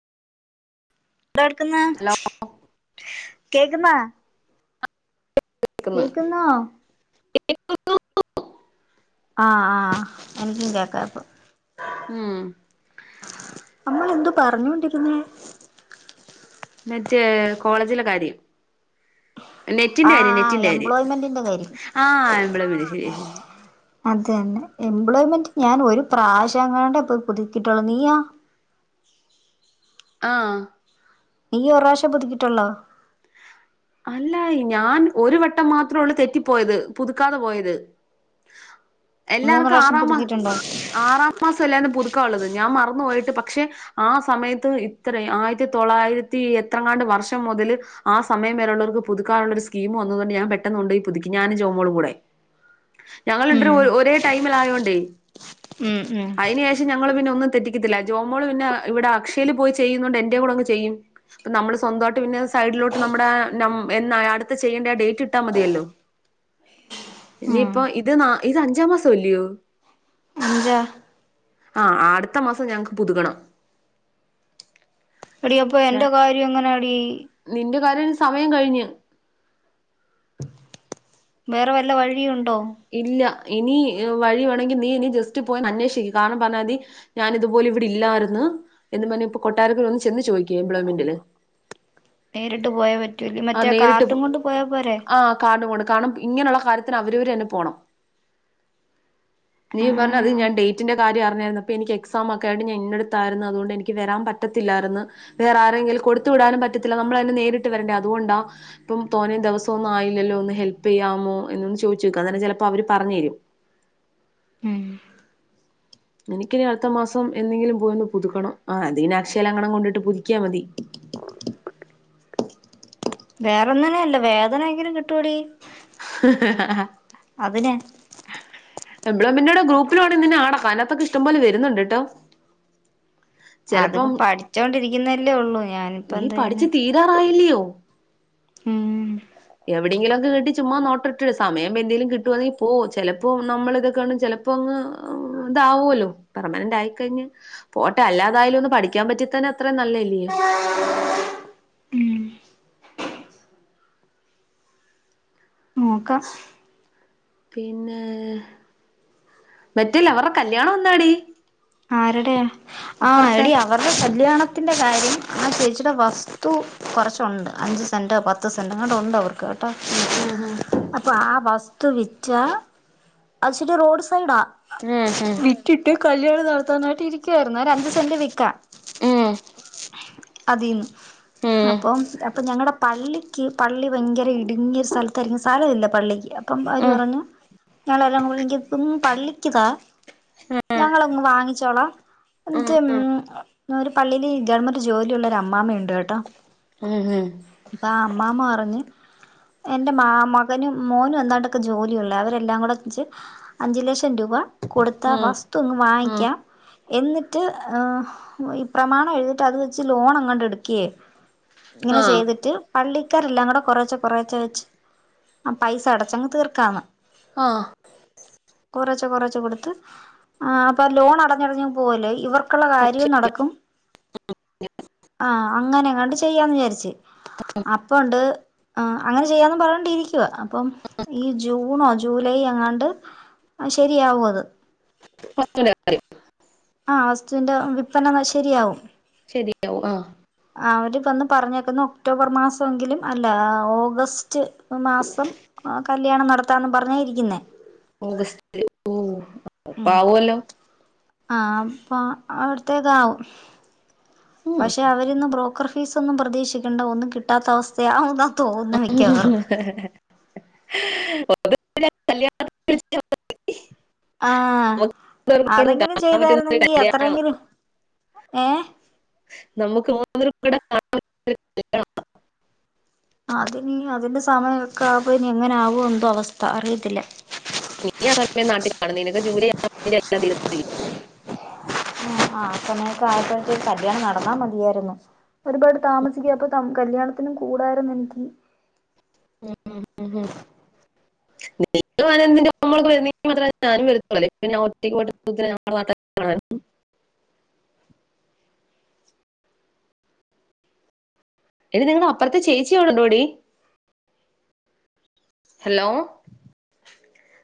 എന്താട്ക്കുന്നേ hello കേക്കുന്നോ കേക്ക്ന്ന് കേക്കുന്നോ ആഹ് ആഹ് എനിക്കും കേക്കാ ഇപ്പൊ ഉം നമ്മളെന്തു പറഞ്ഞോണ്ടിരുന്നേ മറ്റേ കോളേജിലെ കാര്യം നെറ്റിന്റെ കാര്യം ആഹ് നെറ്റിന്റെ കാര്യം എംപ്ലോയ്മെന്റിന്റെ കാര്യം ആഹ് നമ്മള് വിളി ശെരിയ ശെരിയ അത് തന്നെ എംപ്ലോയ്മെന്റ് ഞാന് ഒരു പ്രാവശംങ്ങാണ്ടെ പോയി പുതുക്കിയിട്ടുള്ളൂ നീയൊ ആഹ് നീ ഒരു പ്രാവശ്യം പുതുക്കീട്ടൊള്ളോ അല്ല ഞാൻ ഒരു വട്ടം മാത്രെള്ളൂ തെറ്റിപ്പോയത് പുതുക്കാതെ പോയത്. മൂന്ന് എല്ലാർക്കും പ്രാവശ്യം ആറാ മാ പുതുക്കിയിട്ടുണ്ടോ ആറാം മാസല്ലെന്നു പുതുക്കാ ഉള്ളത് ഞാൻ മറന്നു പോയിട്ട് പക്ഷെ ആ സമയത്ത് ഇത്രെ ആയിരത്തി തൊള്ളായിരത്തി എത്രങ്ങാണ്ട് വർഷം മുതല് ആ സമയത് ഉള്ളോർക്ക് പുതുക്കാനുള്ള ഒരു സ്കീം വന്നുത് കൊണ്ട്‌ ഞാൻ പെട്ടുന്ന് കൊണ്ട് പുതുക്കി ഞാനും ജോമോളും കൂടെ ഞങ്ങള് രണ്ട് പേ‌രും ഒരേ ടൈമിലായോണ്ടേ ഉം ഉം പിന്നെ ഞങ്ങള് പിന്നെ ഒന്നും തെറ്റിക്കത്തില്ല ജോമോള് പിന്നെ ഇവിടെ അക്ഷയില് പോയി ചെയ്യുന്നോണ്ട് എന്റേം കൂടങ്ങ് ചെയ്യും. അപ്പം നമ്മള് സ്വന്തായിട്ട് പിന്നെ സൈഡിലോട്ട് നമ്മടെ നമ് എന്നാ അടുത്ത ചെയ്യേണ്ട ആ ഡേറ്റ് ഇട്ടാ മതിയല്ലോ. ഉം ഇനിയിപ്പൊ ഇത് ന്നാ ഇത് അഞ്ചാം മാസം അല്ലെയോ അഞ്ചാ ആഹ് അടുത്ത മാസം ഞങ്ങക്ക് പുതുക്കണം എടി അപ്പൊ എന്റെ കാര്യം എങ്ങനാ ടീ നിന്റെ കാര്യം ഇനി സമയം കഴിഞ്ഞ് വേറെ വല്ല വഴിയും ഉണ്ടോ ഇല്ല ഇനി വഴി വേണെങ്കി നീ ഇനി ജസ്റ്റ് പോയി ഒന്ന് അന്വേഷിക്ക് കാരണം പറഞ്ഞാമതി ഞാനിതുപൊലെ ഇവിടെ ഇല്ലാരുന്നു എന്നും പറഞ്ഞ് ഇപ്പൊ കൊട്ടാരക്കര ഒന്ന് ചെന്ന് ചോദിക്ക് എംപ്ലോയ്മെന്റില്. നേരിട്ട് പോയാ പറ്റൂലെ ആഹ് മറ്റേ നേരിട്ട് കാർഡും ങ്ങൊണ്ട് പോയാ പോരെ ആഹ് കാർഡും കൊണ്ട് കാരണം ഇങ്ങനെള്ള കാര്യത്തിന് അവരവര് തന്നെ പോണം നീ പറഞ്ഞത് ആഹ് ഞൻ ഡേ റ്റിന്റെ കാര്യം അറിഞ്ഞാരുന്നു അപ്പോ ഇനി എക്സാം ഒക്കെ ആയിരുന്നു ഞൻ ഇന്നെടുത്തായിരുന്നു അതുകൊണ്ട് എനിക്ക് വരാൻ പറ്റത്തില്ലായിരുന്നു. വേറെ ആരെങ്കിലും കൊടുത്തു വിടാനും പറ്റത്തില്ല നമ്മള് ന്നെ നേരിട്ട് വരണ്ടേ അതുകൊണ്ടാ ഇപ്പം തോന്നേ ദിവസം ഒന്നും ആയില്ലല്ലോ ഒന്ന് ഹെൽപ്പ്യ്യാമോ എന്നൊന്ന് ചോയ്ച്ചോക്ക് അന്നേരം ചെലപ്പോ അവര് പറഞ്ഞേരും ഉം എനിക്കിനി അടുത്ത മാസം എന്നെങ്കിലും പോയൊന്ന് പുതുക്കണം ആ അത് പിന്നെ അക്ഷയിലെങ്ങാണ്ട്‌ കൊണ്ടിട്ട് പുതുക്കിയാ മതി വേറെന്നിനും അല്ല വേതനെങ്കിലും കിട്ടും ടീ അത് നെ എംപ്ലോയ്മെന്റിന്റെ ടെ ഗ്രൂപ്പില് വേണേ നിന്നെ ആഡാക്കാ അയ്‌നകത്തൊക്കെ ഇഷ്ടം പോലെ വരുന്ന്ണ്ട്ട്ടോ അത്പ്പോ പഠിച്ചോണ്ടിരിക്കുന്നല്ലേ ഉള്ളൂ ഞാനിപ്പ നീ എന്താ ചെയ്യാനാ പഠിച്ച് തീരാറായില്ലിയോ ഉം എവിടെയെങ്കിലും ഒക്കെ കട്ടി ചുമ്മാ നോട്ട് ഇട്ടു സമയം എന്തേലും കിട്ടു വാണങ്കിൽ പോവും ചിലപ്പോ നമ്മൾ ഇതെക്കെ ചില അപ്പ അങ്ങ് ഇതാവുല്ലോ? പെർമനന്റ് ആയിക്കഴിഞ്ഞ് പോട്ടെ അല്ലാതായാലും ഒന്ന് പഠിക്കാൻ പറ്റിയാൽത്തന്നെ അത്രയും നല്ലല്ലിയോ നോക്കാം പിന്നേ മറ്റേ ലവർടെ കല്യാണം എന്നാടി ആരുടെയാ ആഹ് അപ്പറത്തെ എടി അവരുടെ കല്യാണത്തിൻ്റെ കാര്യം ആ ചേച്ചിയുടെ വസ്തു കുറച്ചുണ്ട് അഞ്ച് സെന്റ് ഓ പത്ത് പത്ത് സെന്റ് എങ്ങാണ്ട് ഉണ്ട് അവർക്ക് കേട്ടോ ഉം ഉം അപ്പൊ ആ വസ്തു വിറ്റാ അത് ഇച്ചരി റോഡ് സൈഡാ ഉം റ്റിട്ട് കല്യാണം നടത്താനായിട്ട് ഇരിക്കുവായിരുന്നു അഞ്ച് സെന്റ് വിക്കാം ഉം അതീന്ന് ഉം അപ്പൊ അപ്പൊ ഞങ്ങടെ പള്ളിക്ക് പള്ളി ഭയങ്കര ഇടുങ്ങിയ സ്ഥലത്തായിരിക്കും സ്ഥലമില്ല പള്ളിക്ക്‌ അപ്പം അവര് ഉം പറഞ്ഞു ഞങ്ങളെല്ലാം ഉളികിക്കും പള്ളിക്കുതാ ഞങ്ങളങ്ങ് വാങ്ങിച്ചോളാം എന്നിട്ട് ഉം ഒരു പള്ളിയില് ഗവൺമെന്റ് ജോലിള്ള ഒരു അമ്മാമ്മ ഉണ്ട് കേട്ടോ ഉം ഹു അപ്പ അമ്മാമ്മ പറഞ്ഞു എൻ്റെ മാ മകനും മോനും എന്താണ്ടൊക്കെ ജോലിയുള്ള അവരെല്ലാരുകൂടെ അഞ്ചു ലക്ഷം രൂപ ഉം കൊടുത്ത് ഉം ആ ഉം ഉം വസ്തു അങ്ങ് വാങ്ങിക്കാം എന്നിട്ട് ഈ പ്രമാണം എഴുതിട്ട് അത് വെച്ച് ലോൺ എങ്ങാണ്ട് എടുക്കയേ ഇങ്ങനെ ആഹ് ചെയ്തിട്ട് പള്ളിക്കാരെല്ലാം കൂടെ കുറേച്ചേ കുറേച്ചേവെച്ച് ആ പൈസ അടച്ചങ്ങ് തീർക്കാന്ന് ആഹ് കൊറേച്ചേ കൊറേച്ചേകൊടുത്ത് ആഹ് അപ്പൊ ലോൺ അടഞ്ഞ് അടഞ്ഞ് അങ്ങ് പോവുല്ലോ ഇവർക്കുള്ള കാര്യവും നടക്കു ആ അങ്ങനെ എങ്ങാണ്ട് ചെയ്യാന്ന് വിചാരിച്ച് അപ്പോ ഉണ്ട് അങ്ങനെ ചെയ്യാന്ന് പറഞ്ഞോണ്ടിരിക്കുവ അപ്പം ഈ ജൂൺ ഒ ജൂലൈ എങ്ങാണ്ട് ശരിയാവും അത് [unintelligible] ആ വസ്തുവിന്റെ വില്പന ശരിയാവും ശരിയാവും ആ അവര് വന്ന് പറഞ്ഞേക്കുന്നു. ഒക്ടോബർ മാസം എങ്കിലും അല്ല ഓഗസ്റ്റ് മാസം ആ കല്യാണം നടത്താന്ന് പറഞ്ഞാ ഇരിക്കുന്നെ. ഓഗസ്റ്റില് ഉം ഇപ്പം ആവോല്ലോ? ആ അപ്പൊ അവിട്ത്തേക്ക് ആവും. ഉം പക്ഷെ അവരിന്ന് ബ്രോക്കർ ഫീസൊന്നും പ്രതീക്ഷിക്കെണ്ട. ഒന്നും കിട്ടാത്ത അവസ്ഥയാ എന്നാ തോന്നുന്നേ മിക്കവാറും [inaudible] [unintelligible] ഓഗസ്റ്റിലാണ് കല്യാണം ആ നമുക്ക് അതെങ്കിലും കാണാൻ പറ്റുന്ന ഒരു ചെയ്തായിരുന്നെങ്കി കല്യാണം അത്രെങ്കിലും. ഏ? നമുക്ക് മൂന്നുപേർ കൂടെ അത് ഇഞ് അതിന്റെ സമയൊക്കെ ആകുമ്പ ഇനി എങ്ങനെ ആവോ എന്തോ അവസ്ഥ അറിയത്തില്ല. നീ ആ സമയം നാട്ടിൽ കാണും. നിനക്ക് ജൂലൈ ആറാംതീയതി ആ ആ ആപ്പനേക്കാഴെക്കും ഒരു കല്യാണം നടന്നാ മതിയായിരുന്നു. ഒരുപാട് താമസിക്കും. അപ്പൊ കല്യാണത്തിനും കൂടായിരുന്നു എനിക്ക് ഉം ഉം ഹു [unintelligible] എടി നിങ്ങടെ അപ്പറ്ത്തെ ചേച്ചി അവിടെ ഉണ്ടോടി? ഹലോ